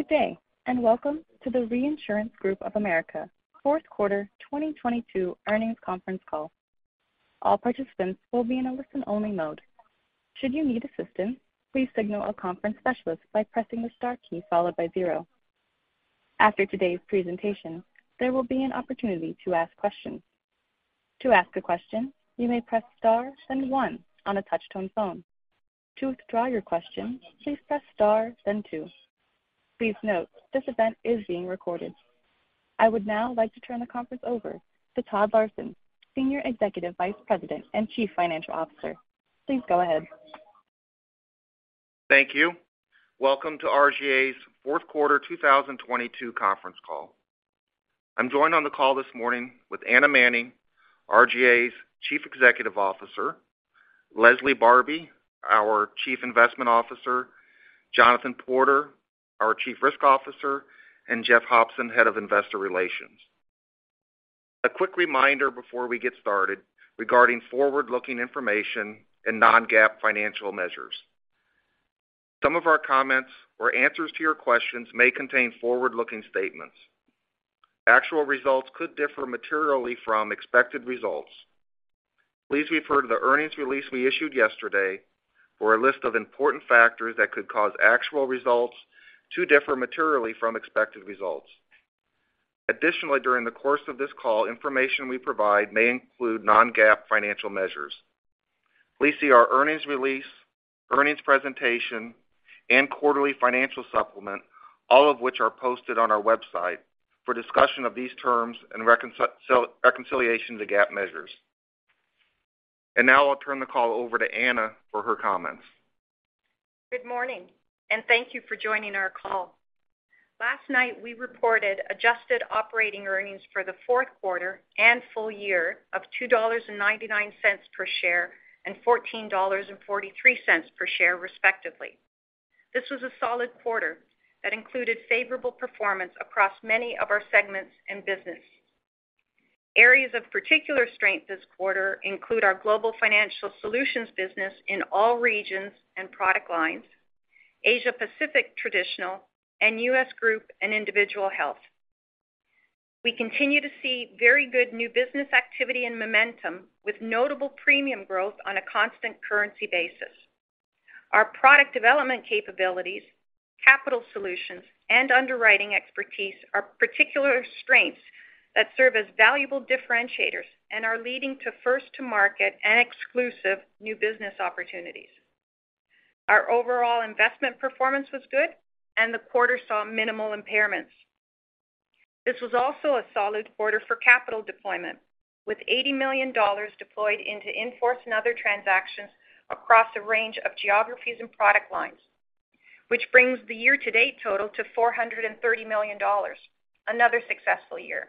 Good day, and welcome to the Reinsurance Group of America 4th quarter 2022 Earnings Conference Call. All participants will be in a listen-only mode. Should you need assistance, please signal a conference specialist by pressing the star key followed by 0. After today's presentation, there will be an opportunity to ask questions. To ask a question, you may press Star then 1 on a touch-tone phone. To withdraw your question, please press Star then 2. Please note, this event is being recorded. I would now like to turn the conference over to Todd Larson, Senior Executive Vice President and Chief Financial Officer. Please go ahead. Thank you. Welcome to RGA's Fourth Quarter 2022 Conference Call. I'm joined on the call this morning with Anna Manning, RGA's Chief Executive Officer, Leslie Barbi, our Chief Investment Officer, Jonathan Porter, our Chief Risk Officer, and Jeff Hopson, Head of Investor Relations. A quick reminder before we get started regarding forward-looking information and non-GAAP financial measures. Some of our comments or answers to your questions may contain forward-looking statements. Actual results could differ materially from expected results. Please refer to the earnings release we issued yesterday for a list of important factors that could cause actual results to differ materially from expected results. Additionally, during the course of this call, information we provide may include non-GAAP financial measures. Please see our earnings release, earnings presentation, and quarterly financial supplement, all of which are posted on our website, for discussion of these terms and reconciliation to GAAP measures. Now I'll turn the call over to Anna for her comments. Good morning, and thank you for joining our call. Last night, we reported adjusted operating earnings for the fourth quarter and full year of $2.99 per share and $14.43 per share, respectively. This was a solid quarter that included favorable performance across many of our segments and business. Areas of particular strength this quarter include our Global Financial Solutions business in all regions and product lines, Asia Pacific Traditional, and U.S. Group and Individual Health. We continue to see very good new business activity and momentum with notable premium growth on a constant currency basis. Our product development capabilities, capital solutions, and underwriting expertise are particular strengths that serve as valuable differentiators and are leading to first to market and exclusive new business opportunities. Our overall investment performance was good and the quarter saw minimal impairments. This was also a solid quarter for capital deployment, with $80 million deployed into in-force and other transactions across a range of geographies and product lines, which brings the year-to-date total to $430 million. Another successful year.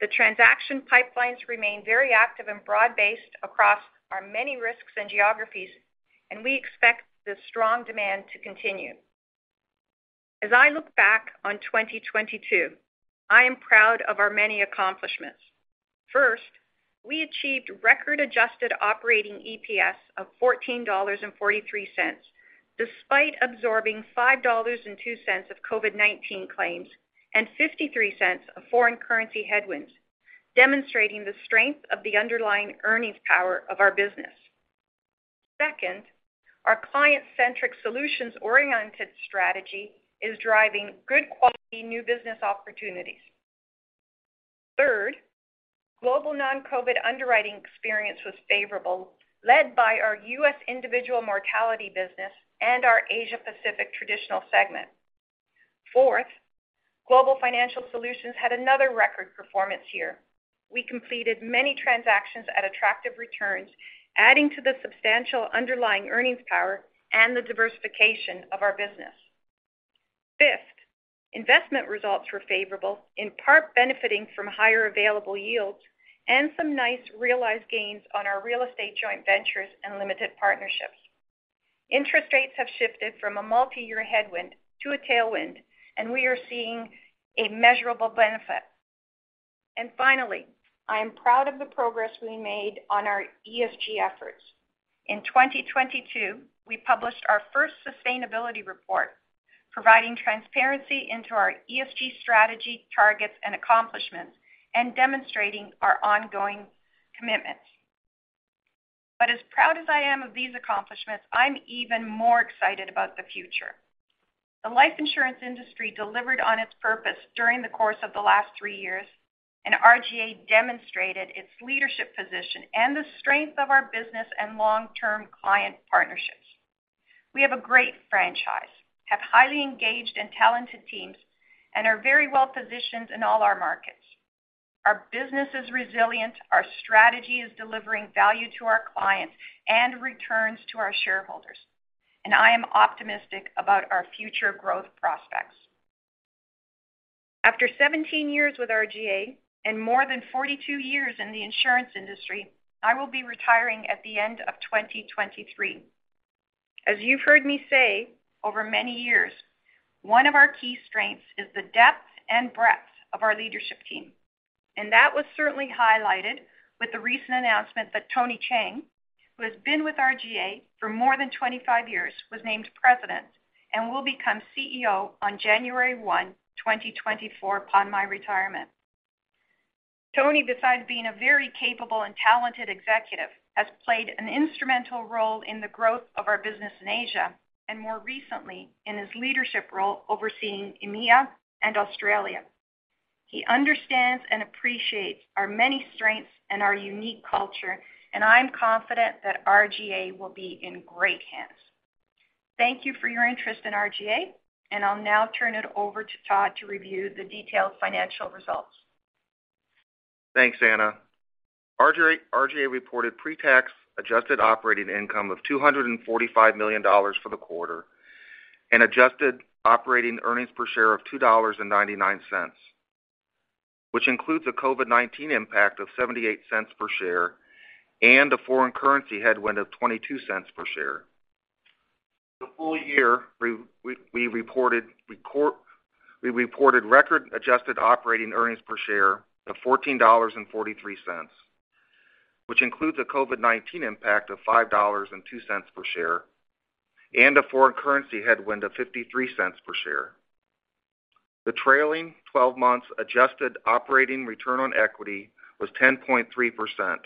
The transaction pipelines remain very active and broad-based across our many risks and geographies, and we expect the strong demand to continue. As I look back on 2022, I am proud of our many accomplishments. First, we achieved record adjusted operating EPS of $14.43, despite absorbing $5.02 of COVID-19 claims and $0.53 of foreign currency headwinds, demonstrating the strength of the underlying earnings power of our business. Second, our client-centric solutions-oriented strategy is driving good quality new business opportunities. Third, global non-COVID underwriting experience was favorable, led by our U.S. individual mortality business and our Asia Pacific Traditional segment. Fourth, Global Financial Solutions had another record performance year. We completed many transactions at attractive returns, adding to the substantial underlying earnings power and the diversification of our business. Fifth, investment results were favorable, in part benefiting from higher available yields and some nice realized gains on our real estate joint ventures and limited partnerships. Interest rates have shifted from a multi-year headwind to a tailwind, and we are seeing a measurable benefit. Finally, I am proud of the progress we made on our ESG efforts. In 2022, we published our first sustainability report, providing transparency into our ESG strategy, targets, and accomplishments, and demonstrating our ongoing commitments. As proud as I am of these accomplishments, I'm even more excited about the future. The life insurance industry delivered on its purpose during the course of the last three years, and RGA demonstrated its leadership position and the strength of our business and long-term client partnerships. We have a great franchise, have highly engaged and talented teams, and are very well-positioned in all our markets. Our business is resilient, our strategy is delivering value to our clients and returns to our shareholders, and I am optimistic about our future growth prospects. After 17 years with RGA and more than 42 years in the insurance industry, I will be retiring at the end of 2023. As you've heard me say over many years, one of our key strengths is the depth and breadth of our leadership team. That was certainly highlighted with the recent announcement that Tony Cheng, who has been with RGA for more than 25 years, was named President, and will become CEO on January 1, 2024 upon my retirement. Tony, besides being a very capable and talented executive, has played an instrumental role in the growth of our business in Asia and more recently in his leadership role overseeing EMEA and Australia. He understands and appreciates our many strengths and our unique culture, and I'm confident that RGA will be in great hands. Thank you for your interest in RGA, and I'll now turn it over to Todd to review the detailed financial results. Thanks, Anna. RGA reported pre-tax adjusted operating income of $245 million for the quarter and adjusted operating EPS of $2.99, which includes a COVID-19 impact of $0.78 per share and a foreign currency headwind of $0.22 per share. The full year we reported record adjusted operating EPS of $14.43, which includes a COVID-19 impact of $5.02 per share and a foreign currency headwind of $0.53 per share. The trailing 12 months adjusted operating ROE was 10.3%,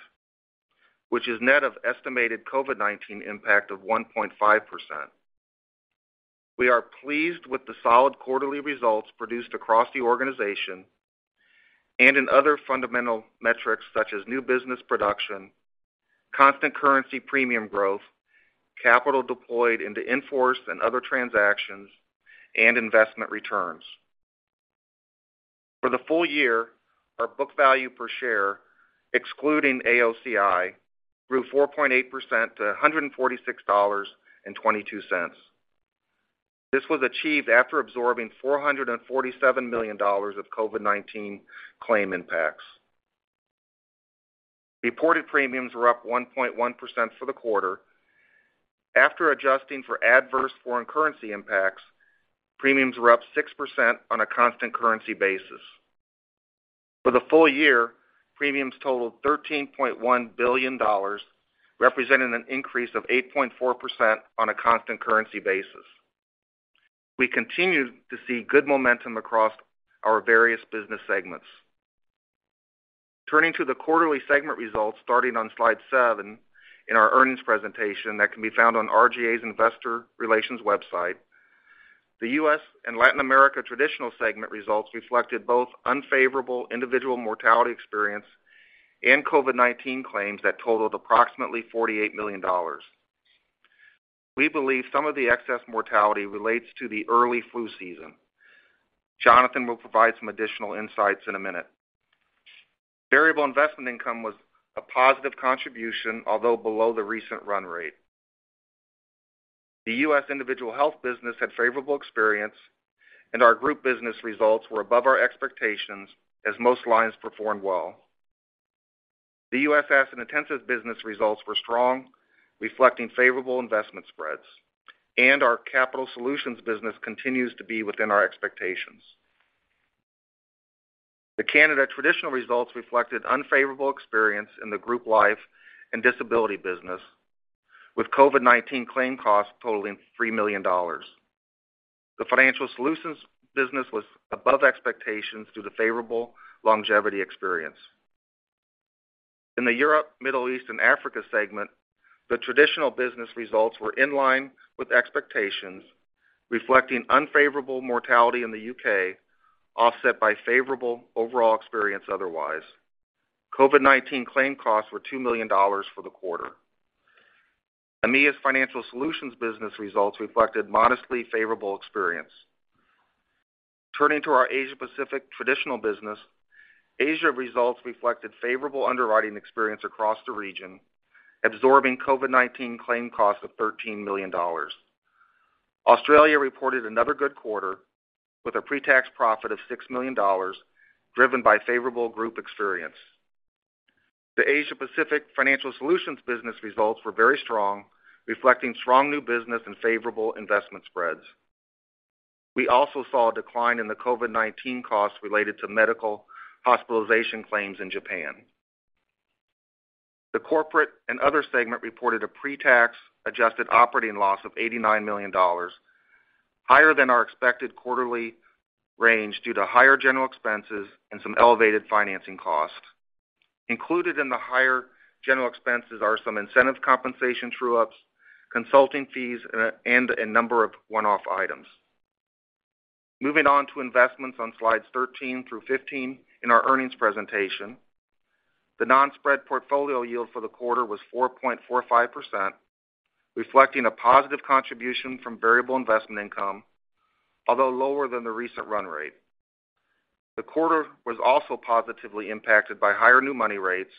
which is net of estimated COVID-19 impact of 1.5%. We are pleased with the solid quarterly results produced across the organization and in other fundamental metrics, such as new business production, constant currency premium growth, capital deployed into in-force and other transactions, and investment returns. For the full year, our book value per share, excluding AOCI, grew 4.8% to $146.22. This was achieved after absorbing $447 million of COVID-19 claim impacts. Reported premiums were up 1.1% for the quarter. After adjusting for adverse foreign currency impacts, premiums were up 6% on a constant currency basis. For the full year, premiums totaled $13.1 billion, representing an increase of 8.4% on a constant currency basis. We continue to see good momentum across our various business segments. Turning to the quarterly segment results, starting on slide 7 in our earnings presentation that can be found on RGA's investor relations website. The U.S. and Latin America traditional segment results reflected both unfavorable individual mortality experience and COVID-19 claims that totaled approximately $48 million. We believe some of the excess mortality relates to the early flu season. Jonathan will provide some additional insights in a minute. Variable investment income was a positive contribution, although below the recent run rate. The U.S. individual health business had favorable experience, and our group business results were above our expectations as most lines performed well. The U.S. asset intensive business results were strong, reflecting favorable investment spreads, and our capital solutions business continues to be within our expectations. The Canada traditional results reflected unfavorable experience in the group life and disability business, with COVID-19 claim costs totaling $3 million. The financial solutions business was above expectations due to favorable longevity experience. In the Europe, Middle East, and Africa segment, the traditional business results were in line with expectations, reflecting unfavorable mortality in the U.K., offset by favorable overall experience otherwise. COVID-19 claim costs were $2 million for the quarter. EMEA's financial solutions business results reflected modestly favorable experience. Turning to our Asia Pacific Traditional business, Asia results reflected favorable underwriting experience across the region, absorbing COVID-19 claim costs of $13 million. Australia reported another good quarter with a pre-tax profit of $6 million, driven by favorable group experience. The Asia Pacific Financial Solutions business results were very strong, reflecting strong new business and favorable investment spreads. We also saw a decline in the COVID-19 costs related to medical hospitalization claims in Japan. The corporate and other segment reported a pre-tax adjusted operating loss of $89 million, higher than our expected quarterly range due to higher general expenses and some elevated financing costs. Included in the higher general expenses are some incentive compensation true-ups, consulting fees, and a number of one-off items. Moving on to investments on slides 13 through 15 in our earnings presentation. The non-spread portfolio yield for the quarter was 4.45%, reflecting a positive contribution from variable investment income, although lower than the recent run rate. The quarter was also positively impacted by higher new money rates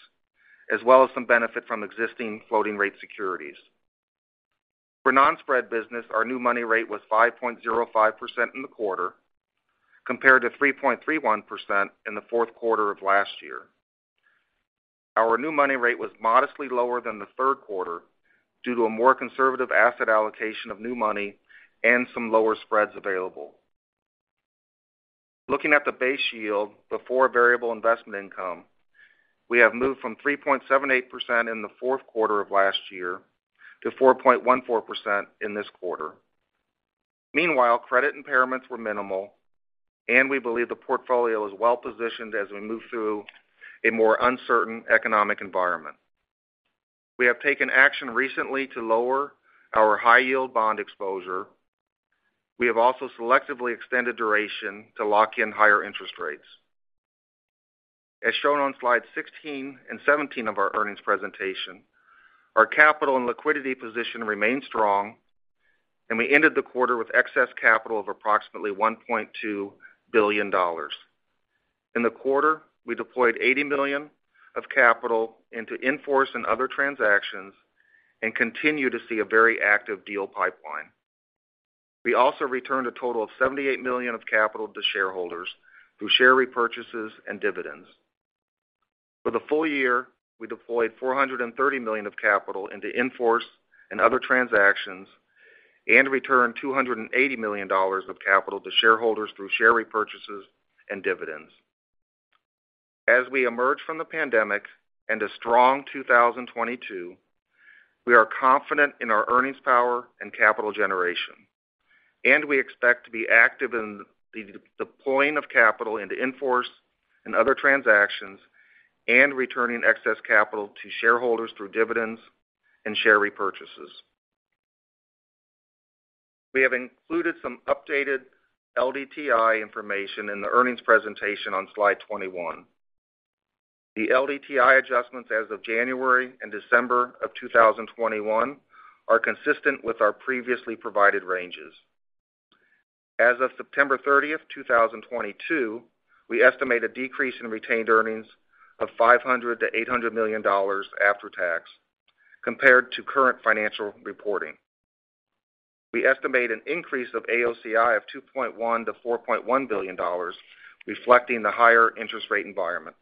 as well as some benefit from existing floating rate securities. For non-spread business, our new money rate was 5.05% in the quarter compared to 3.31% in the fourth quarter of last year. Our new money rate was modestly lower than the third quarter due to a more conservative asset allocation of new money and some lower spreads available. Looking at the base yield before variable investment income, we have moved from 3.78% in the fourth quarter of last year to 4.14% in this quarter. Meanwhile, credit impairments were minimal, and we believe the portfolio is well-positioned as we move through a more uncertain economic environment. We have taken action recently to lower our high yield bond exposure. We have also selectively extended duration to lock in higher interest rates. As shown on slide 16 and 17 of our earnings presentation, our capital and liquidity position remains strong, and we ended the quarter with excess capital of approximately $1.2 billion. In the quarter, we deployed $80 million of capital into in-force and other transactions and continue to see a very active deal pipeline. We also returned a total of $78 million of capital to shareholders through share repurchases and dividends. For the full year, we deployed $430 million of capital into in-force and other transactions and returned $280 million of capital to shareholders through share repurchases and dividends. As we emerge from the pandemic and a strong 2022, we are confident in our earnings power and capital generation. We expect to be active in the deploying of capital into in-force and other transactions and returning excess capital to shareholders through dividends and share repurchases. We have included some updated LDTI information in the earnings presentation on slide 21. The LDTI adjustments as of January and December of 2021 are consistent with our previously provided ranges. As of September 30th, 2022, we estimate a decrease in retained earnings of $500 million-$800 million after tax compared to current financial reporting. We estimate an increase of AOCI of $2.1 billion-$4.1 billion, reflecting the higher interest rate environment.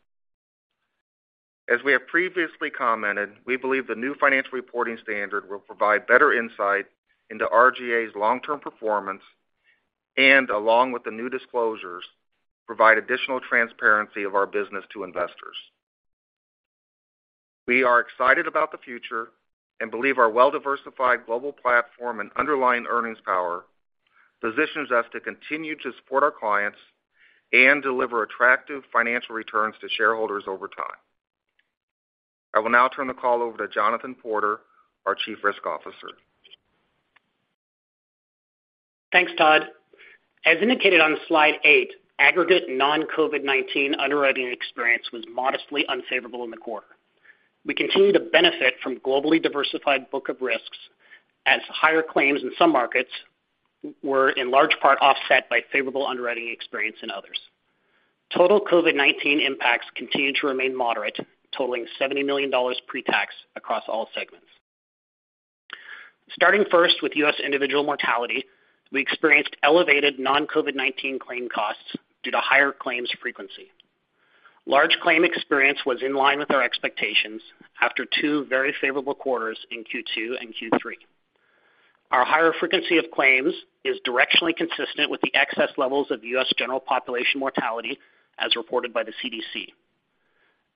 As we have previously commented, we believe the new financial reporting standard will provide better insight into RGA's long-term performance and, along with the new disclosures, provide additional transparency of our business to investors. We are excited about the future and believe our well-diversified global platform and underlying earnings power positions us to continue to support our clients and deliver attractive financial returns to shareholders over time. I will now turn the call over to Jonathan Porter, our Chief Risk Officer. Thanks, Todd. As indicated on slide 8, aggregate non-COVID-19 underwriting experience was modestly unfavorable in the quarter. We continue to benefit from globally diversified book of risks as higher claims in some markets were in large part offset by favorable underwriting experience in others. Total COVID-19 impacts continue to remain moderate, totaling $70 million pre-tax across all segments. Starting 1st with U.S. individual mortality, we experienced elevated non-COVID-19 claim costs due to higher claims frequency. Large claim experience was in line with our expectations after two very favorable quarters in Q2 and Q3. Our higher frequency of claims is directionally consistent with the excess levels of U.S. general population mortality as reported by the CDC.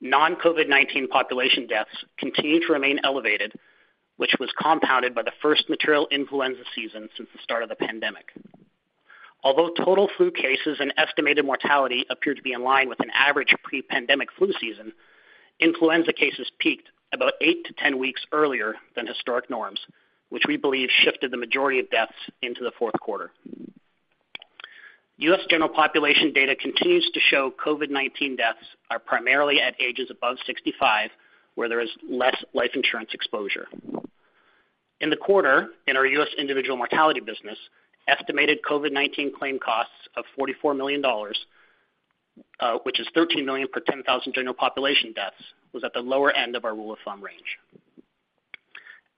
Non-COVID-19 population deaths continue to remain elevated, which was compounded by the 1st material influenza season since the start of the pandemic. Although total flu cases and estimated mortality appear to be in line with an average pre-pandemic flu season, influenza cases peaked about 8-10 weeks earlier than historic norms, which we believe shifted the majority of deaths into the fourth quarter. U.S. general population data continues to show COVID-19 deaths are primarily at ages above 65, where there is less life insurance exposure. In the quarter, in our U.S. individual mortality business, estimated COVID-19 claim costs of $44 million, which is $13 million per 10,000 general population deaths, was at the lower end of our rule of thumb range.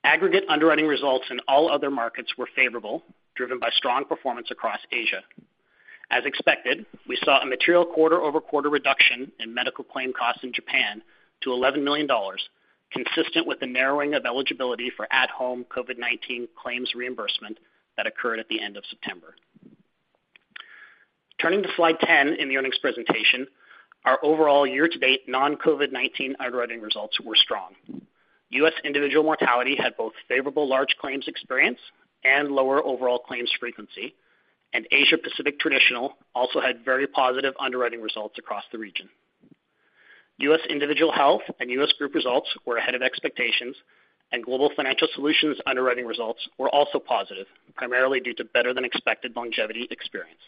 Aggregate underwriting results in all other markets were favorable, driven by strong performance across Asia. As expected, we saw a material quarter-over-quarter reduction in medical claim costs in Japan to $11 million, consistent with the narrowing of eligibility for at-home COVID-19 claims reimbursement that occurred at the end of September. Turning to slide 10 in the earnings presentation, our overall year-to-date non-COVID-19 underwriting results were strong. U.S. individual mortality had both favorable large claims experience and lower overall claims frequency, and Asia Pacific Traditional also had very positive underwriting results across the region. U.S. individual health and U.S. group results were ahead of expectations, and Global Financial Solutions underwriting results were also positive, primarily due to better-than-expected longevity experience.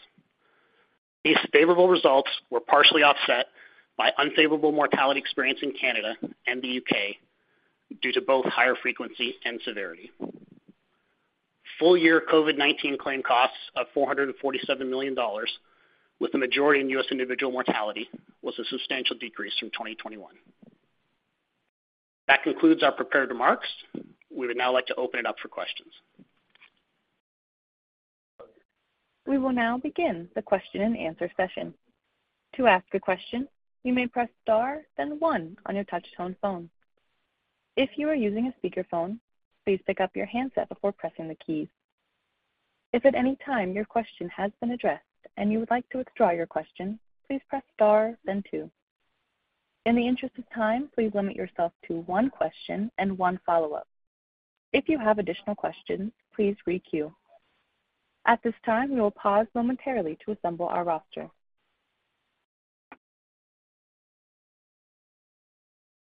These favorable results were partially offset by unfavorable mortality experience in Canada and the U.K. due to both higher frequency and severity. Full-year COVID-19 claim costs of $447 million, with the majority in U.S. individual mortality, was a substantial decrease from 2021. That concludes our prepared remarks. We would now like to open it up for questions. We will now begin the question-and-answer session. To ask a question, you may press Star then 1 on your touchtone phone. If you are using a speakerphone, please pick up your handset before pressing the key. If at any time your question has been addressed and you would like to withdraw your question, please press Star then 2. In the interest of time, please limit yourself to one question and one follow-up. If you have additional questions, please re-queue. At this time, we will pause momentarily to assemble our roster.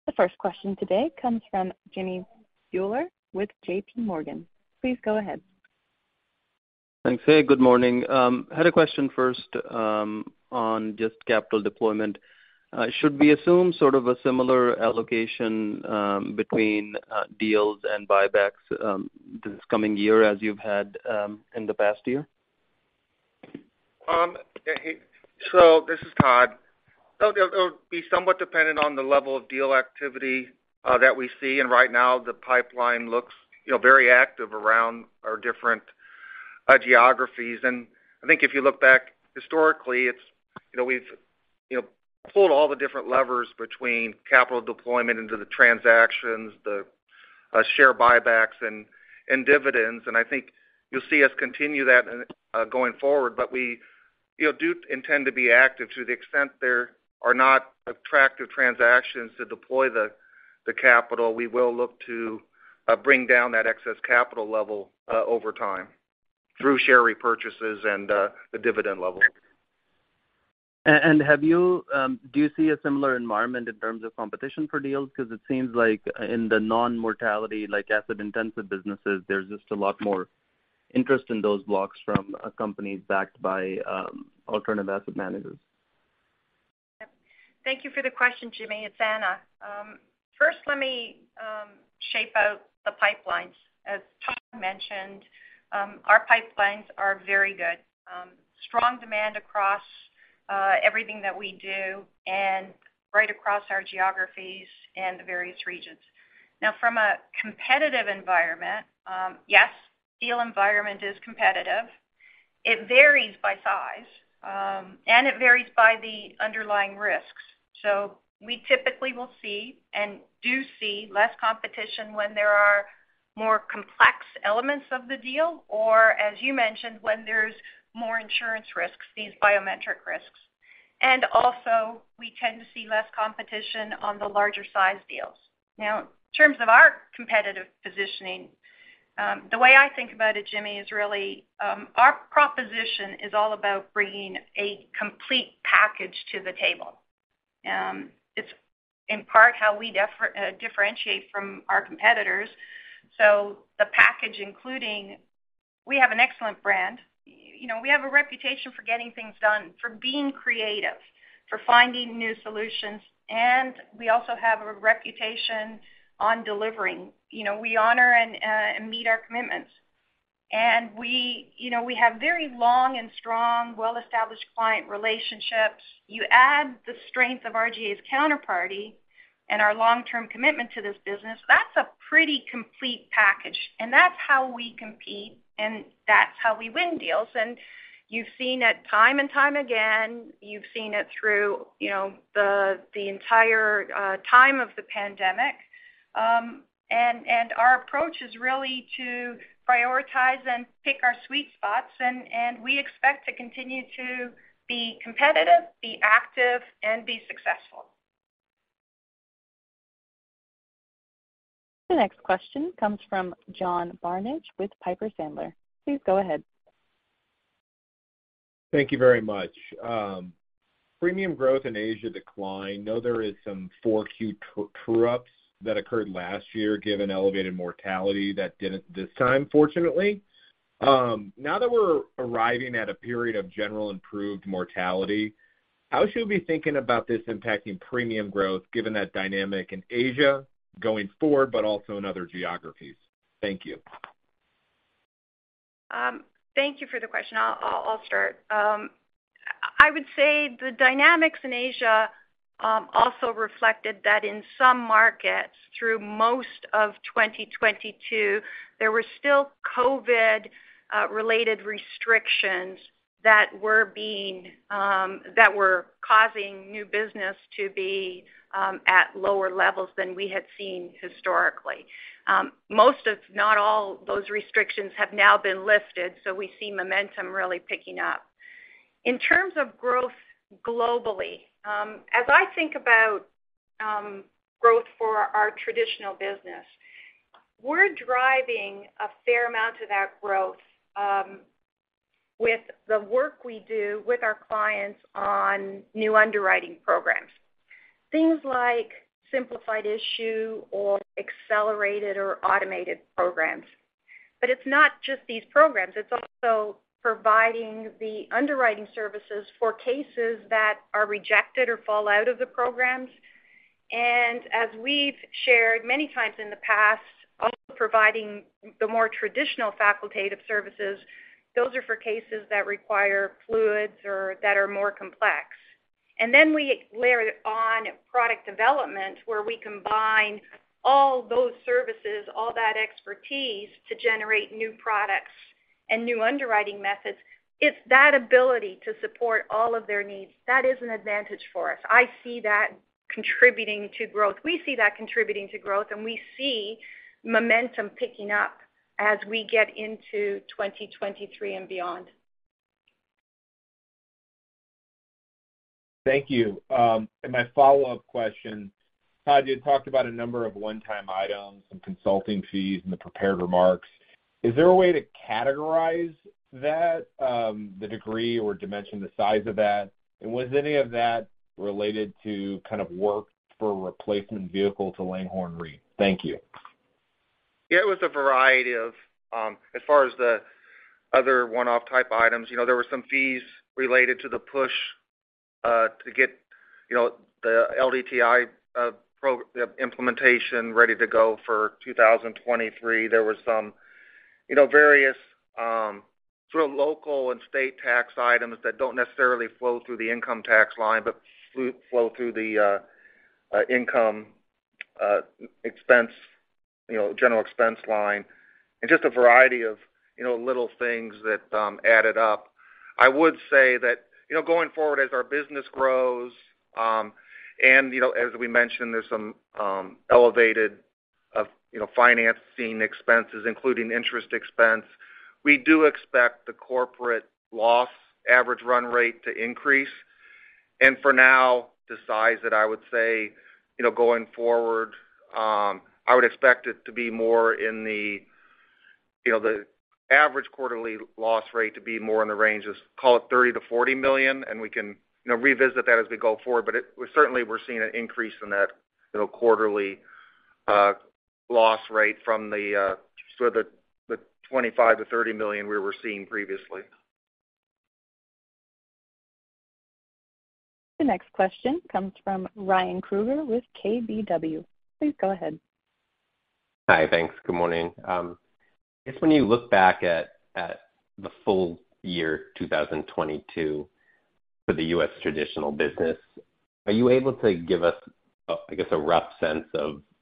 The first question today comes from Jimmy Bhullar with JP Morgan. Please go ahead. Thanks. Hey, good morning. Had a question first, on just capital deployment. Should we assume sort of a similar allocation between deals and buybacks this coming year as you've had in the past year? This is Todd. It'll be somewhat dependent on the level of deal activity that we see, and right now the pipeline looks, you know, very active around our different geographies. I think if you look back historically, it's, you know, we've, you know, pulled all the different levers between capital deployment into the transactions, the share buybacks and dividends. I think you'll see us continue that going forward. We, you know, do intend to be active. To the extent there are not attractive transactions to deploy the capital, we will look to bring down that excess capital level over time through share repurchases and the dividend level. Have you, do you see a similar environment in terms of competition for deals? 'Cause it seems like in the non-mortality, like asset intensive businesses, there's just a lot more interest in those blocks from companies backed by, alternative asset managers. Thank you for the question, Jimmy. It's Anna. First let me shape out the pipelines. As Todd mentioned our pipelines are very good. Strong demand across everything that we do and right across our geographies and the various regions. Now from a competitive environment, yes, deal environment is competitive. It varies by size, and it varies by the underlying risks. We typically will see, and do see less competition when there are more complex elements of the deal or as you mentioned, when there's more insurance risks, these biometric risks. Also we tend to see less competition on the larger size deals. Now, in terms of our competitive positioning, the way I think about it, Jimmy, is really, our proposition is all about bringing a complete package to the table. It's in part how we differentiate from our competitors. The package including we have an excellent brand. You know, we have a reputation for getting things done, for being creative, for finding new solutions, and we also have a reputation on delivering. You know, we honor and meet our commitments. We, you know, we have very long and strong, well-established client relationships. You add the strength of RGA's counterparty and our long-term commitment to this business, that's a pretty complete package. That's how we compete, and that's how we win deals. You've seen it time and time again. You've seen it through, you know, the entire time of the pandemic. Our approach is really to prioritize and pick our sweet spots and we expect to continue to be competitive, be active and be successful. The next question comes from John Barnidge with Piper Sandler. Please go ahead. Thank you very much. Premium growth in Asia declined. Know there is some 4Q true-ups that occurred last year, given elevated mortality that didn't this time, fortunately. Now that we're arriving at a period of general improved mortality, how should we be thinking about this impacting premium growth given that dynamic in Asia going forward, but also in other geographies? Thank you. Thank you for the question. I'll, I'll start. I would say the dynamics in Asia also reflected that in some markets through most of 2022, there were still COVID related restrictions that were being that were causing new business to be at lower levels than we had seen historically. Most if not all of those restrictions have now been lifted, so we see momentum really picking up. In terms of growth globally, as I think about growth for our traditional business, we're driving a fair amount of that growth with the work we do with our clients on new underwriting programs. Things like simplified issue or accelerated or automated programs. It's not just these programs, it's also providing the underwriting services for cases that are rejected or fall out of the programs. As we've shared many times in the past, also providing the more traditional facultative services, those are for cases that require fluids or that are more complex. We layer on product development where we combine all those services, all that expertise to generate new products and new underwriting methods. It's that ability to support all of their needs, that is an advantage for us. I see that contributing to growth. We see that contributing to growth. We see momentum picking up as we get into 2023 and beyond. Thank you. And my follow-up question. Todd, you had talked about a number of one-time items and consulting fees in the prepared remarks. Is there a way to categorize that, the degree or dimension, the size of that? And was any of that related to kind of work for replacement vehicle to Langhorne Re? Thank you. Yeah, it was a variety of, as far as the other one-off type items. You know, there were some fees related to the push, to get, you know, the LDTI implementation ready to go for 2023. There were some, you know, various, sort of local and state tax items that don't necessarily flow through the income tax line, but flow through the income expense, you know, general expense line. Just a variety of, you know, little things that added up. I would say that, you know, going forward as our business grows, and, you know, as we mentioned, there's some elevated, of, you know, financing expenses, including interest expense. We do expect the corporate loss average run rate to increase. For now, the size that I would say, you know, going forward, I would expect it to be more in the, you know, the average quarterly loss rate to be more in the range of, call it $30 million-$40 million, and we can, you know, revisit that as we go forward. Certainly we're seeing an increase in that, you know, quarterly, loss rate from the sort of the $25 million-$30 million we were seeing previously. The next question comes from Ryan Krueger with KBW. Please go ahead. Hi. Thanks. Good morning. I guess when you look back at the full year 2022 for the U.S. traditional business, are you able to give us, I guess, a rough sense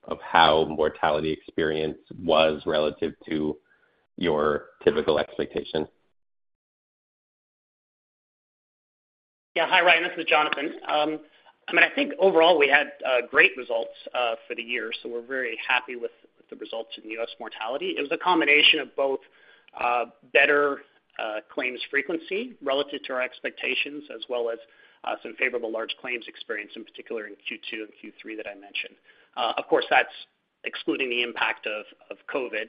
of how mortality experience was relative to your typical expectation? Yeah. Hi, Ryan, this is Jonathan. I mean, I think overall we had great results for the year, so we're very happy with the results in U.S. mortality. It was a combination of both better claims frequency relative to our expectations, as well as some favorable large claims experience, in particular in Q2 and Q3 that I mentioned. Of course, that's excluding the impact of COVID,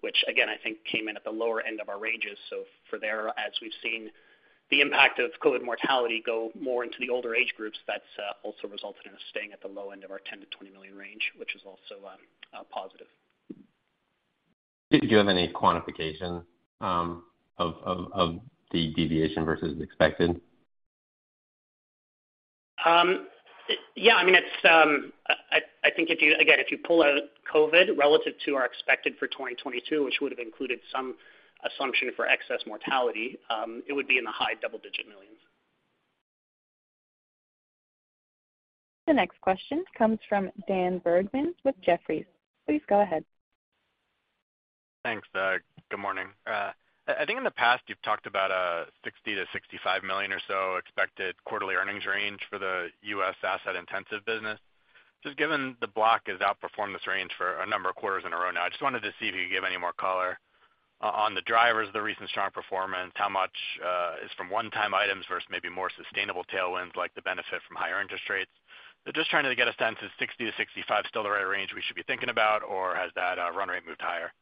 which again, I think came in at the lower end of our ranges. For there, as we've seen the impact of COVID mortality go more into the older age groups, that's also resulted in us staying at the low end of our $10 million-$20 million range, which is also positive. Do you have any quantification of the deviation versus expected? I mean, it's, I think if you, again, if you pull out COVID relative to our expected for 2022, which would have included some assumption for excess mortality, it would be in the high double-digit millions. The next question comes from Dan Bergman with Jefferies. Please go ahead. Thanks. Good morning. I think in the past, you've talked about a $60 million-$65 million or so expected quarterly earnings range for the U.S. asset intensive business. Just given the block has outperformed this range for a number of quarters in a row now, I just wanted to see if you could give any more color on the drivers of the recent strong performance. How much is from one-time items versus maybe more sustainable tailwinds, like the benefit from higher interest rates? Just trying to get a sense, is $60 million-$65 million still the right range we should be thinking about, or has that run rate moved higher?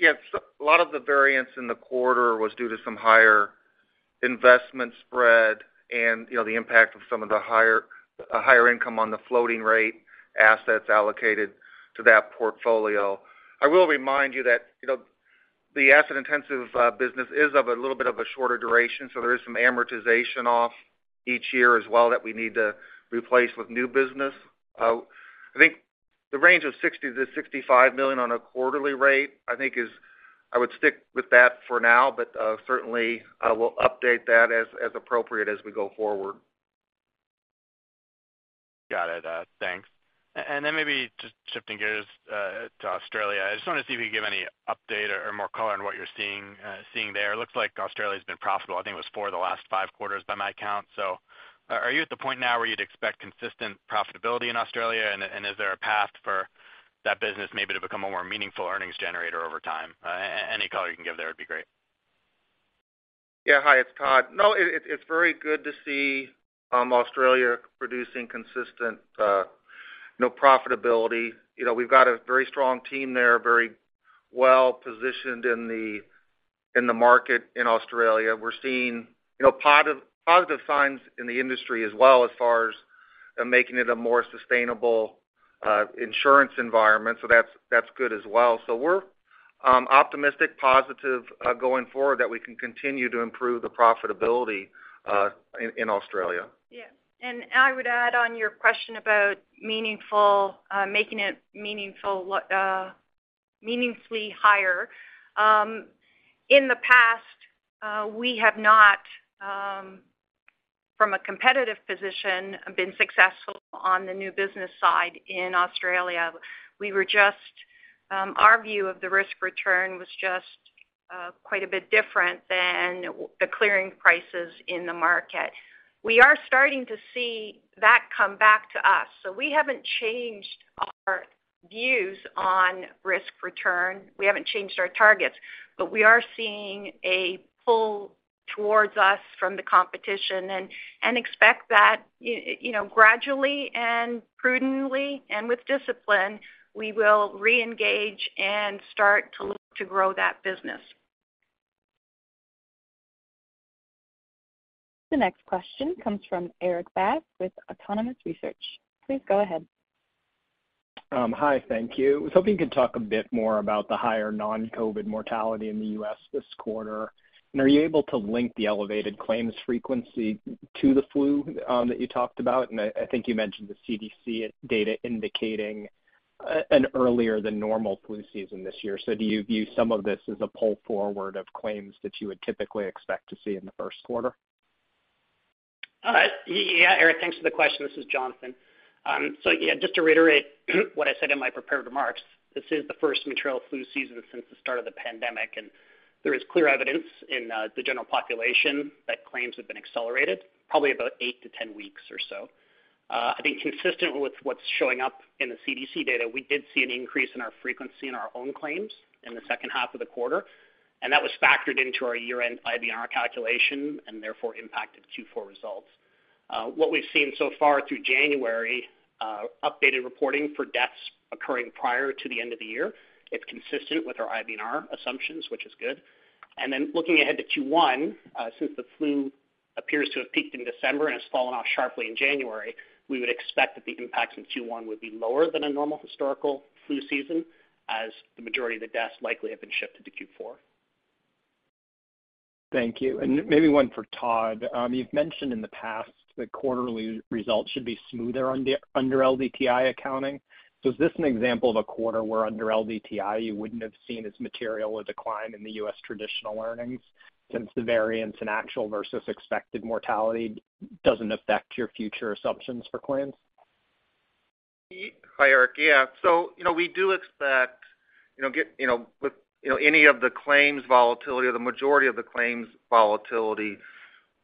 Yeah, a lot of the variance in the quarter was due to some higher investment spread and, you know, the impact of some of the higher income on the floating rate assets allocated to that portfolio. I will remind you that, you know, the asset-intensive business is of a little bit of a shorter duration, so there is some amortization off each year as well that we need to replace with new business. I think the range of $60 million-$65 million on a quarterly rate, I think is, I would stick with that for now. Certainly, I will update that as appropriate as we go forward. Got it. Thanks. Then maybe just shifting gears to Australia. I just want to see if you could give any update or more color on what you're seeing there. It looks like Australia's been profitable, I think it was four of the last five quarters by my count. Are you at the point now where you'd expect consistent profitability in Australia? Is there a path for that business maybe to become a more meaningful earnings generator over time? Any color you can give there would be great. Yeah. Hi, it's Todd. It's very good to see Australia producing consistent, you know, profitability. You know, we've got a very strong team there, very well-positioned in the market in Australia. We're seeing, you know, positive signs in the industry as well, as far as making it a more sustainable insurance environment. That's good as well. We're optimistic, positive, going forward that we can continue to improve the profitability in Australia. Yeah. I would add on your question about making it meaningfully higher. In the past, we have not, from a competitive position, been successful on the new business side in Australia. We were just, our view of the risk-return was just quite a bit different than the clearing prices in the market. We are starting to see that come back to us. We haven't changed our views on risk-return. We haven't changed our targets, we are seeing a pull towards us from the competition and expect that, you know, gradually and prudently, and with discipline, we will reengage and start to look to grow that business. The next question comes from Erik Bass with Autonomous Research. Please go ahead. Hi, thank you. I was hoping you could talk a bit more about the higher non-COVID mortality in the U.S. this quarter. Are you able to link the elevated claims frequency to the flu that you talked about? I think you mentioned the CDC data indicating an earlier than normal flu season this year. Do you view some of this as a pull forward of claims that you would typically expect to see in the first quarter? Yeah, Erik, thanks for the question. This is Jonathan. Yeah, just to reiterate what I said in my prepared remarks, this is the first material flu season since the start of the pandemic. There is clear evidence in the general population that claims have been accelerated probably about 8-10 weeks or so. I think consistent with what's showing up in the CDC data, we did see an increase in our frequency in our own claims in the second half of the quarter. That was factored into our year-end IBNR calculation and therefore impacted Q4 results. What we've seen so far through January, updated reporting for deaths occurring prior to the end of the year, it's consistent with our IBNR assumptions, which is good. Looking ahead to Q1, since the flu appears to have peaked in December and has fallen off sharply in January, we would expect that the impacts in Q1 would be lower than a normal historical flu season as the majority of the deaths likely have been shifted to Q4. Thank you. Maybe one for Todd. You've mentioned in the past that quarterly results should be smoother under LDTI accounting. Is this an example of a quarter where under LDTI, you wouldn't have seen as material a decline in the U.S. traditional earnings since the variance in actual versus expected mortality doesn't affect your future assumptions for claims? Hi, Erik. Yeah. You know, we do expect, you know, with, you know, any of the claims volatility or the majority of the claims volatility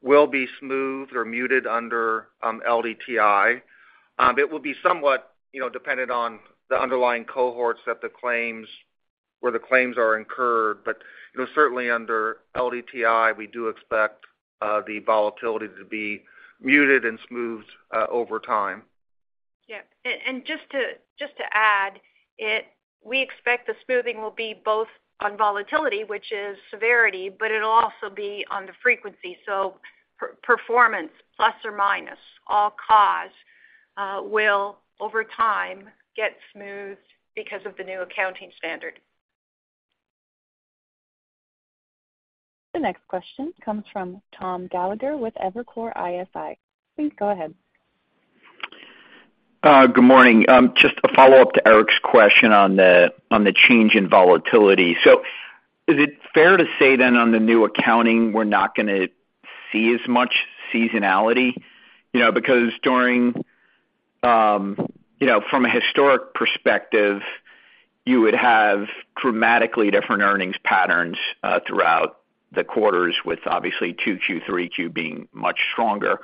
will be smoothed or muted under LDTI. It will be somewhat, you know, dependent on the underlying cohorts that the claims, where the claims are incurred. You know, certainly under LDTI, we do expect the volatility to be muted and smoothed over time. Yeah. Just to, just to add, we expect the smoothing will be both on volatility, which is severity, but it'll also be on the frequency. Performance plus or minus all cause will over time get smoothed because of the new accounting standard. The next question comes from Tom Gallagher with Evercore ISI. Please go ahead. Good morning. Just a follow-up to Erik's question on the, on the change in volatility. Is it fair to say then on the new accounting, we're not gonna see as much seasonality? You know, because during, you know, from a historic perspective, you would have dramatically different earnings patterns throughout the quarters with obviously Q2, Q3, being much stronger.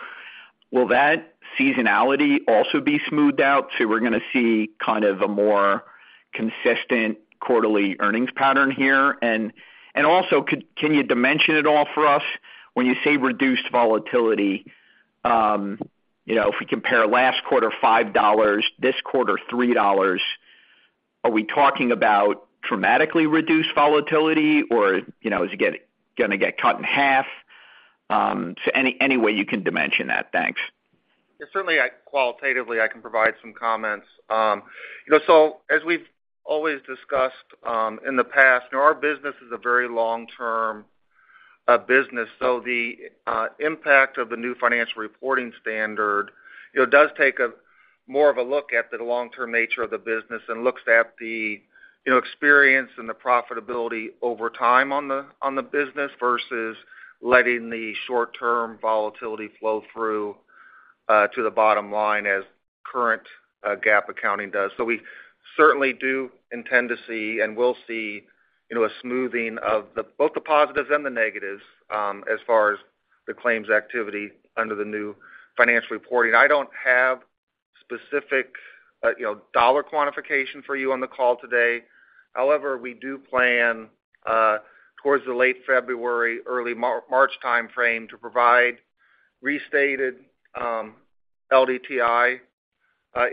Will that seasonality also be smoothed out, so we're gonna see kind of a more consistent quarterly earnings pattern here? Also, can you dimension at all for us when you say reduced volatility, you know, if we compare last quarter $5, this quarter $3, are we talking about dramatically reduced volatility or, you know, is it gonna get cut in half? Any way you can dimension that? Thanks. Certainly, qualitatively, I can provide some comments. you know, as we've always discussed, in the past, you know, our business is a very long-term business. the impact of the new financial reporting standard, you know, does take a more of a look at the long-term nature of the business and looks at the, you know, experience and the profitability over time on the business versus letting the short-term volatility flow through to the bottom line as current GAAP accounting does. we certainly do intend to see and we'll see, you know, a smoothing of both the positives and the negatives as far as the claims activity under the new financial reporting. I don't have specific, you know, dollar quantification for you on the call today. We do plan towards the late February, early March timeframe to provide restated LDTI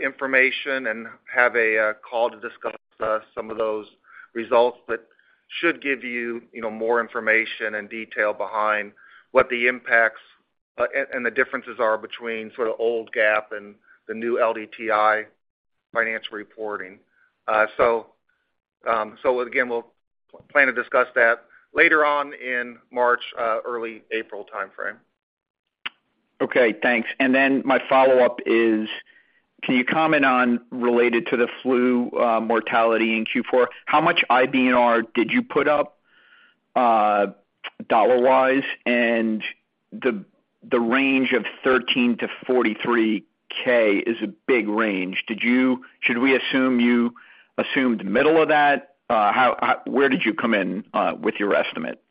information and have a call to discuss some of those results that should give you know, more information and detail behind what the impacts and the differences are between sort of old GAAP and the new LDTI financial reporting. Again, we'll plan to discuss that later on in March, early April timeframe. Okay, thanks. My follow-up is, can you comment on related to the flu, mortality in Q4? How much IBNR did you put up, dollar-wise? The range of $13,000-$43,000 is a big range. Should we assume you assumed the middle of that? Where did you come in with your estimate?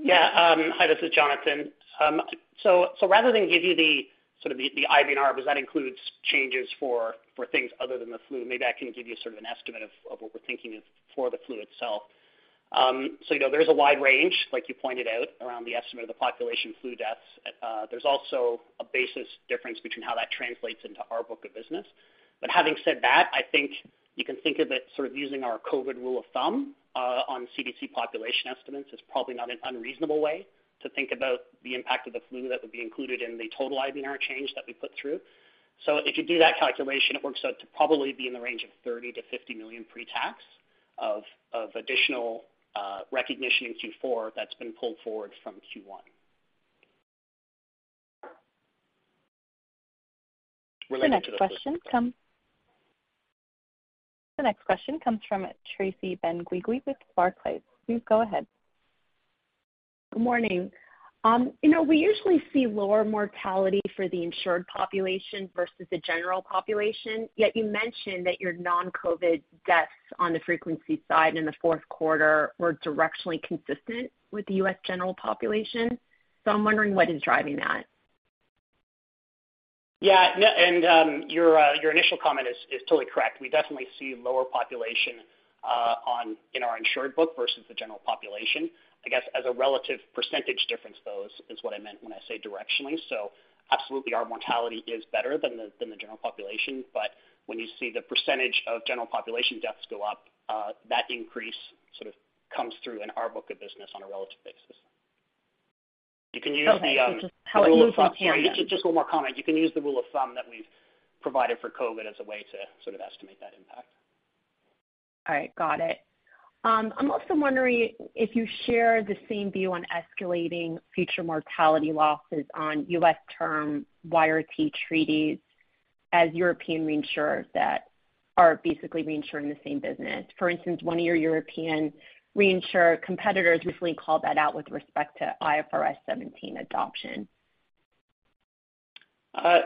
Yeah. Hi, this is Jonathan. Rather than give you the sort of the IBNR, because that includes changes for things other than the flu, maybe I can give you sort of an estimate of what we're thinking of for the flu itself. You know, there's a wide range, like you pointed out, around the estimate of the population flu deaths. There's also a basis difference between how that translates into our book of business. Having said that, I think you can think of it sort of using our COVID rule of thumb, on CDC population estimates is probably not an unreasonable way to think about the impact of the flu that would be included in the total IBNR change that we put through. If you do that calculation, it works out to probably be in the range of $30 million-$50 million pre-tax of additional, recognition in Q4 that's been pulled forward from Q1. The next question comes from Tracy Benguigui with Barclays. Please go ahead. Good morning. you know, we usually see lower mortality for the insured population versus the general population, yet you mentioned that your non-COVID deaths on the frequency side in the fourth quarter were directionally consistent with the U.S. general population. I'm wondering what is driving that. Yeah. No. Your initial comment is totally correct. We definitely see lower population on in our insured book versus the general population. I guess as a relative percentage difference, though, is what I meant when I say directionally. Absolutely our mortality is better than the general population. When you see the percentage of general population deaths go up, that increase sort of comes through in our book of business on a relative basis. You can use the rule of thumb. Okay. Just how it moves the premium. Just one more comment. You can use the rule of thumb that we've provided for COVID as a way to sort of estimate that impact. All right, got it. I'm also wondering if you share the same view on escalating future mortality losses on U.S. term YRT treaties as European reinsurers that are basically reinsuring the same business. For instance, one of your European reinsurer competitors recently called that out with respect to IFRS 17 adoption.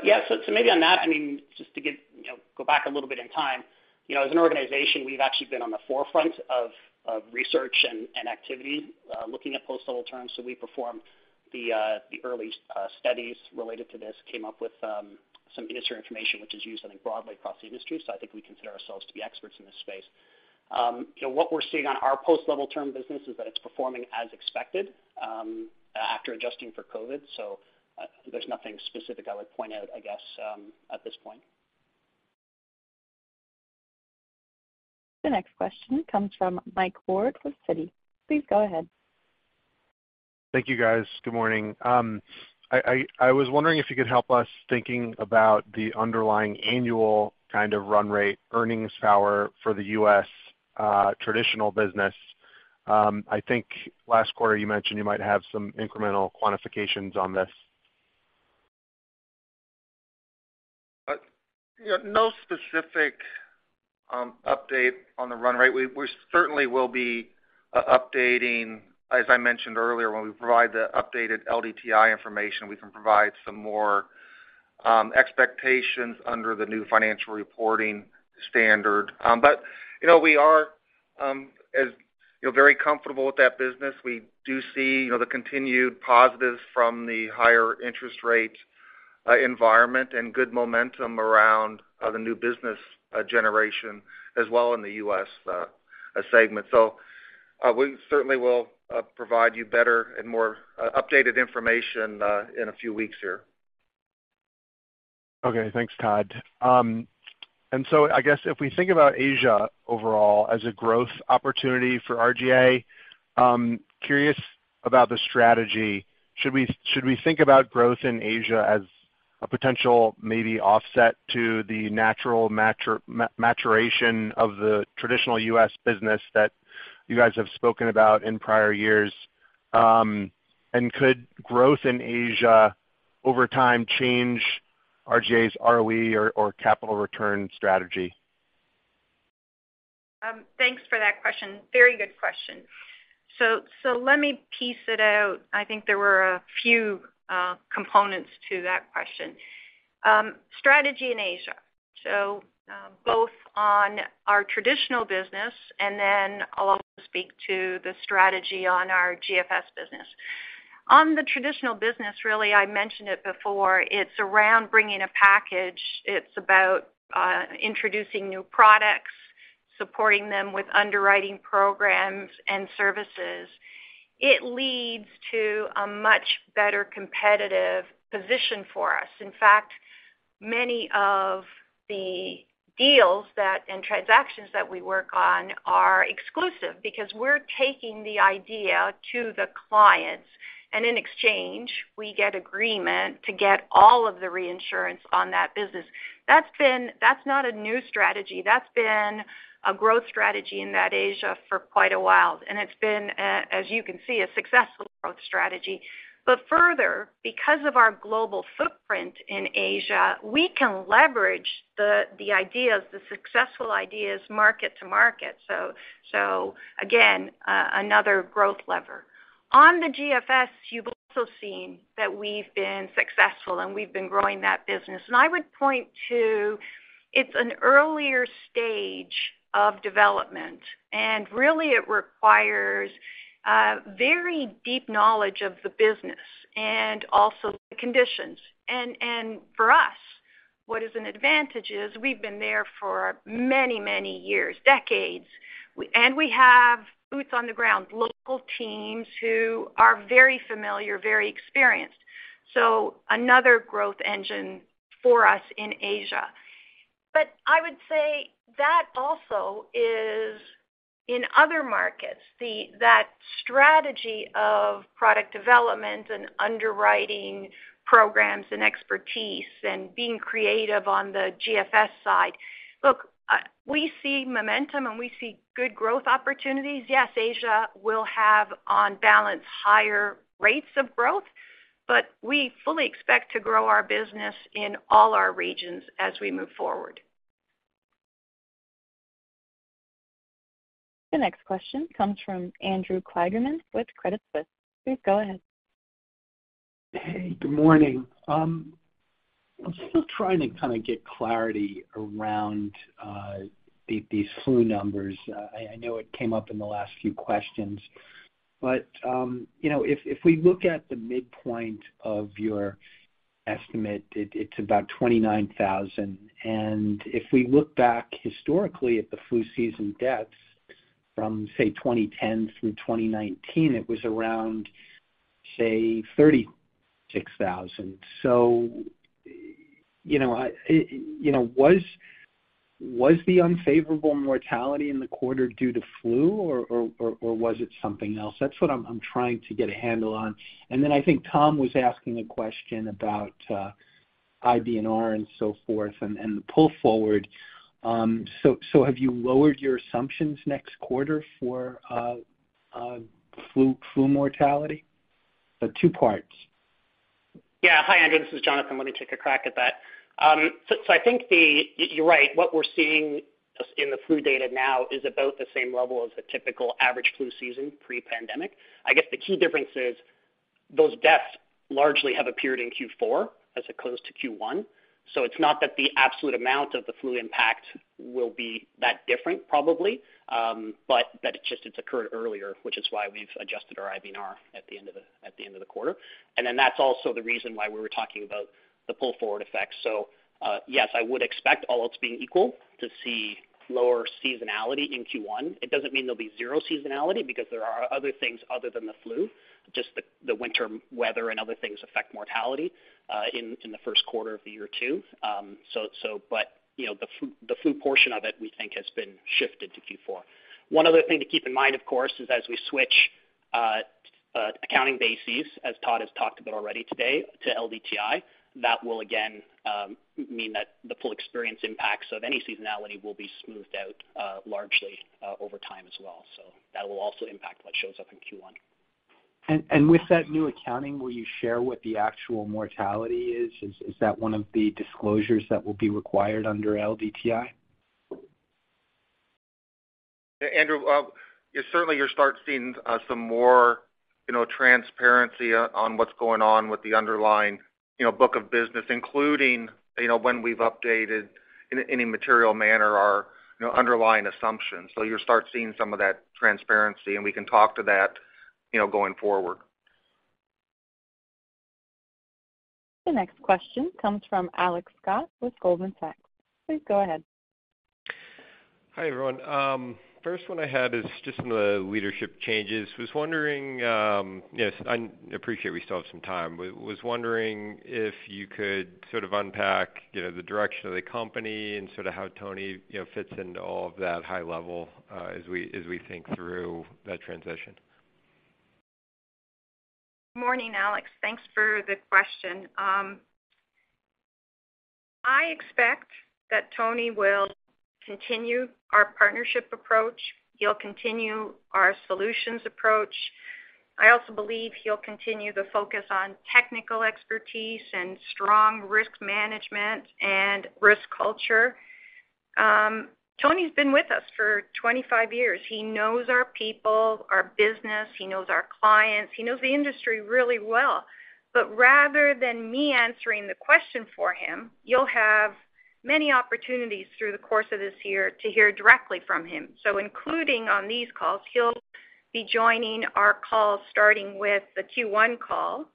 Yeah. Maybe on that, I mean, just to get, you know, go back a little bit in time. You know, as an organization, we've actually been on the forefront of research and activity, looking at post-level term. We performed the early studies related to this, came up with some industry information which is used, I think, broadly across the industry. I think we consider ourselves to be experts in this space. You know, what we're seeing on our post-level term business is that it's performing as expected after adjusting for COVID. There's nothing specific I would point out, I guess, at this point. The next question comes from Michael Ward with Citi. Please go ahead. Thank you, guys. Good morning. I was wondering if you could help us thinking about the underlying annual kind of run rate earnings power for the U.S. traditional business? I think last quarter you mentioned you might have some incremental quantifications on this. You know, no specific update on the run rate. We certainly will be updating, as I mentioned earlier, when we provide the updated LDTI information, we can provide some more expectations under the new financial reporting standard. You know, we are, as, you know, very comfortable with that business. We do see, you know, the continued positives from the higher interest rate environment and good momentum around the new business generation as well in the U.S. segment. We certainly will provide you better and more updated information in a few weeks here. Okay. Thanks, Todd. I guess if we think about Asia overall as a growth opportunity for RGA, curious about the strategy. Should we think about growth in Asia as a potential maybe offset to the natural maturation of the traditional U.S. business that you guys have spoken about in prior years? Could growth in Asia over time change RGA's ROE or capital return strategy? Thanks for that question. Very good question. Let me piece it out. I think there were a few components to that question. Strategy in Asia. Both on our traditional business, and then I'll also speak to the strategy on our GFS business. On the traditional business, really, I mentioned it before, it's around bringing a package. It's about introducing new products, supporting them with underwriting programs and services. It leads to a much better competitive position for us. In fact, many of the deals that, and transactions that we work on are exclusive because we're taking the idea to the clients, and in exchange, we get agreement to get all of the reinsurance on that business. That's not a new strategy. That's been a growth strategy in that Asia for quite a while, and it's been, as you can see, a successful growth strategy. Further, because of our global footprint in Asia, we can leverage the ideas, the successful ideas market to market. So again, another growth lever. On the GFS, you've also seen that we've been successful, and we've been growing that business. I would point to it's an earlier stage of development, and really it requires very deep knowledge of the business and also the conditions. For us, what is an advantage is we've been there for many, many years, decades, and we have boots on the ground, local teams who are very familiar, very experienced. Another growth engine for us in Asia. I would say that also is in other markets, that strategy of product development and underwriting programs and expertise and being creative on the GFS side. Look, we see momentum, and we see good growth opportunities. Yes, Asia will have on balance, higher rates of growth, but we fully expect to grow our business in all our regions as we move forward. The next question comes from Andrew Kligerman with Credit Suisse. Please go ahead. Hey, good morning. I'm still trying to kind of get clarity around these flu numbers. I know it came up in the last few questions, but, you know, if we look at the midpoint of your estimate, it's about 29,000. If we look back historically at the flu season deaths from, say, 2010 through 2019, it was around, say, 36,000. You know, was the unfavorable mortality in the quarter due to flu or was it something else? That's what I'm trying to get a handle on. I think Tom was asking a question about IBNR and so forth and the pull forward. Have you lowered your assumptions next quarter for flu mortality? Two parts. Hi, Andrew. This is Jonathan. Let me take a crack at that. I think you're right. What we're seeing just in the flu data now is about the same level as the typical average flu season pre-pandemic. I guess the key difference is those deaths largely have appeared in Q4 as opposed to Q1. It's not that the absolute amount of the flu impact will be that different probably, but that it's just it's occurred earlier, which is why we've adjusted our IBNR at the end of the quarter. That's also the reason why we were talking about the pull forward effect. Yes, I would expect all else being equal to see lower seasonality in Q1. It doesn't mean there'll be zero seasonality because there are other things other than the flu, just the winter weather and other things affect mortality in the first quarter of the year too. You know, the flu portion of it, we think has been shifted to Q4. One other thing to keep in mind, of course, is as we switch accounting bases, as Todd has talked about already today to LDTI, that will again mean that the full experience impacts of any seasonality will be smoothed out largely over time as well. That will also impact what shows up in Q1. With that new accounting, will you share what the actual mortality is? Is that one of the disclosures that will be required under LDTI? Andrew, you certainly you'll start seeing, some more, you know, transparency on what's going on with the underlying, you know, book of business, including, you know, when we've updated any material manner our, you know, underlying assumptions. You'll start seeing some of that transparency, and we can talk to that, you know, going forward. The next question comes from Alex Scott with Goldman Sachs. Please go ahead. Hi, everyone. First one I had is just on the leadership changes. Was wondering, yes, I appreciate we still have some time. Was wondering if you could sort of unpack, you know, the direction of the company and sort of how Tony, you know, fits into all of that high level, as we think through that transition? Morning, Alex. Thanks for the question. I expect that Tony will continue our partnership approach. He'll continue our solutions approach. I also believe he'll continue the focus on technical expertise and strong risk management and risk culture. Tony's been with us for 25 years. He knows our people, our business. He knows our clients. He knows the industry really well. Rather than me answering the question for him, you'll have many opportunities through the course of this year to hear directly from him. Including on these calls, he'll be joining our calls starting with the Q1 call,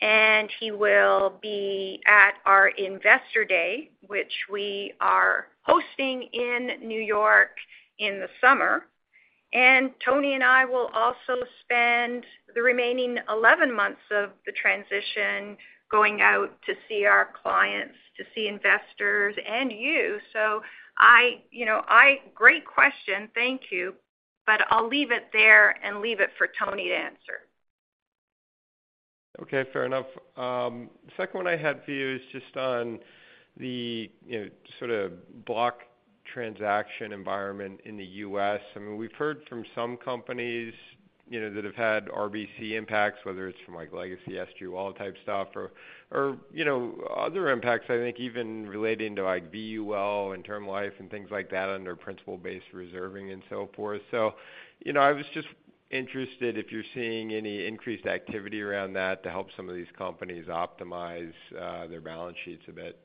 and he will be at our Investor Day, which we are hosting in New York in the summer. Tony and I will also spend the remaining 11 months of the transition going out to see our clients, to see investors and you. I, you know, Great question. Thank you. I'll leave it there and leave it for Tony to answer. Fair enough. The second one I had for you is just on the, you know, sort of block transaction environment in the U.S. I mean, we've heard from some companies, you know, that have had RBC impacts, whether it's from like legacy SG&A type stuff or, you know, other impacts, I think even relating to like VUL and term life and things like that under Principle-Based Reserving and so forth. You know, I was just interested if you're seeing any increased activity around that to help some of these companies optimize their balance sheets a bit.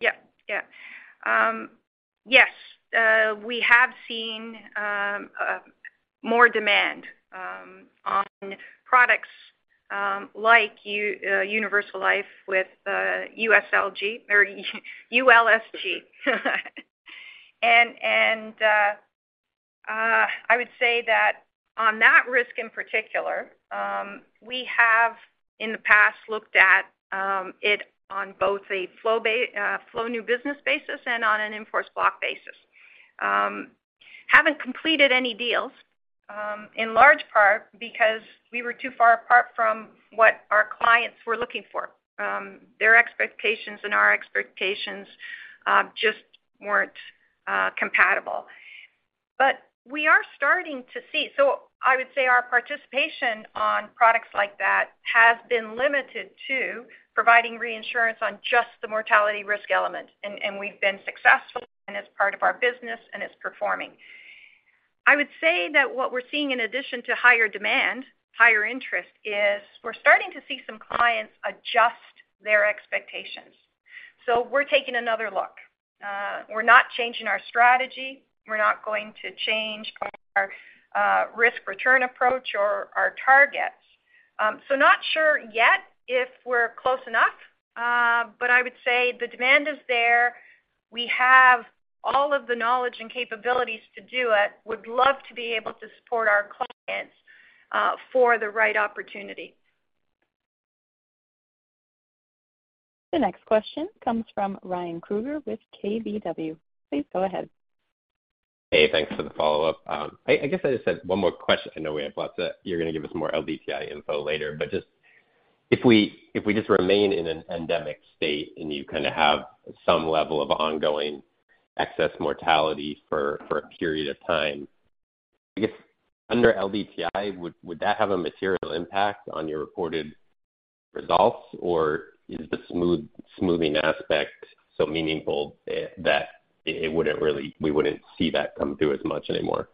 Yeah. Yeah. Yes, we have seen more demand on products like Universal Life with ULSG. I would say that on that risk in particular, we have in the past looked at it on both a flow new business basis and on an in-force block basis. Haven't completed any deals in large part because we were too far apart from what our clients were looking for. Their expectations and our expectations just weren't compatible. We are starting to see. I would say our participation on products like that has been limited to providing reinsurance on just the mortality risk element, and we've been successful and it's part of our business and it's performing. I would say that what we're seeing in addition to higher demand, higher interest, is we're starting to see some clients adjust their expectations, so we're taking another look. We're not changing our strategy. We're not going to change our risk-return approach or our targets. Not sure yet if we're close enough, but I would say the demand is there. We have all of the knowledge and capabilities to do it, would love to be able to support our clients, for the right opportunity. The next question comes from Ryan Krueger with KBW. Please go ahead. Hey, thanks for the follow-up. I guess I just had one more question. You're gonna give us more LDTI info later. If we just remain in an endemic state, and you kind of have some level of ongoing excess mortality for a period of time, I guess under LDTI, would that have a material impact on your reported results? Is the smoothing aspect so meaningful that it wouldn't really we wouldn't see that come through as much anymore?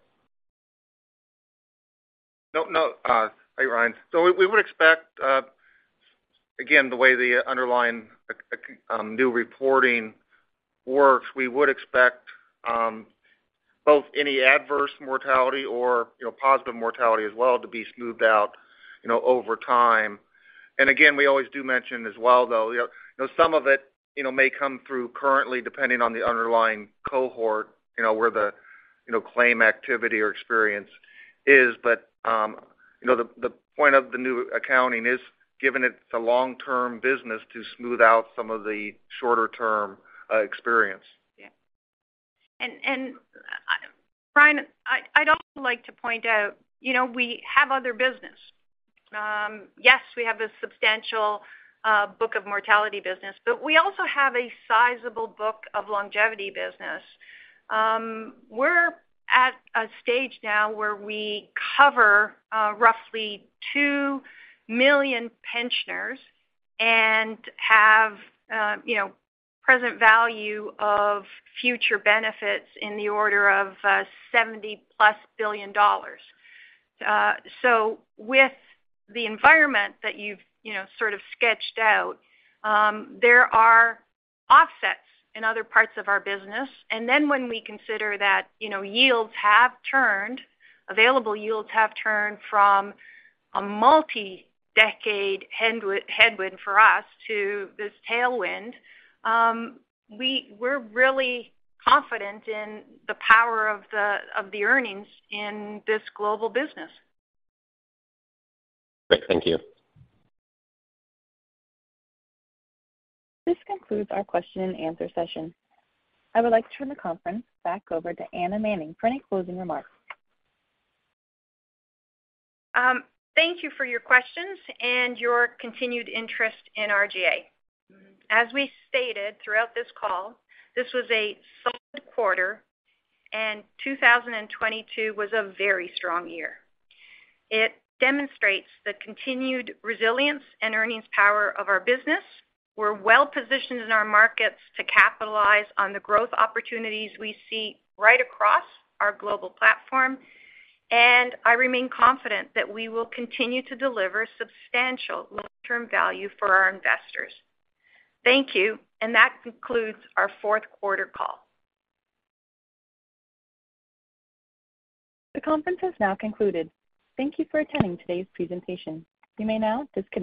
No, no. Hi, Ryan. We would expect, again, the way the underlying new reporting works, we would expect both any adverse mortality or, you know, positive mortality as well to be smoothed out, you know, over time. Again, we always do mention as well, though, you know, some of it, you know, may come through currently depending on the underlying cohort, you know, where the claim activity or experience is. The point of the new accounting is, given it's a long-term business, to smooth out some of the shorter-term experience. Yeah. Ryan, I'd also like to point out, you know, we have other business. Yes, we have a substantial book of mortality business, but we also have a sizable book of longevity business. We're at a stage now where we cover roughly 2 million pensioners and have, you know, present value of future benefits in the order of $70+ billion. With the environment that you've, you know, sort of sketched out, there are offsets in other parts of our business. When we consider that, you know, yields have turned, available yields have turned from a multi-decade headwind for us to this tailwind, we're really confident in the power of the earnings in this global business. Great. Thank you. This concludes our question and answer session. I would like to turn the conference back over to Anna Manning for any closing remarks. Thank you for your questions and your continued interest in RGA. As we stated throughout this call, this was a solid quarter, and 2022 was a very strong year. It demonstrates the continued resilience and earnings power of our business. We're well-positioned in our markets to capitalize on the growth opportunities we see right across our global platform, and I remain confident that we will continue to deliver substantial long-term value for our investors. Thank you, and that concludes our 4th quarter call. The conference has now concluded. Thank you for attending today's presentation. You may now disconnect.